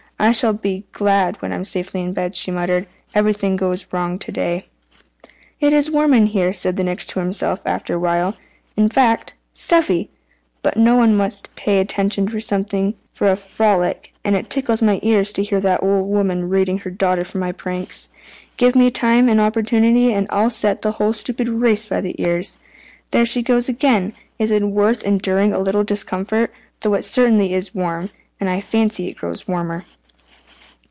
"I shall be glad when I'm safely in bed," she muttered. "Everything goes wrong to day." "It is warm in here," said the Nix to himself, after a while; "in fact stuffy. But one must pay something for a frolic, and it tickles my ears to hear that old woman rating her daughter for my pranks. Give me time and opportunity, and I'll set the whole stupid race by the ears. There she goes again! It is worth enduring a little discomfort, though it certainly is warm, and I fancy it grows warmer."